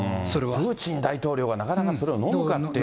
プーチン大統領がなかなかそれをのむかっていう。